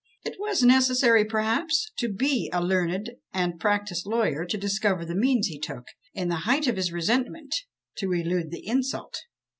It was necessary, perhaps, to be a learned and practised lawyer to discover the means he took, in the height of his resentment, to elude the insult.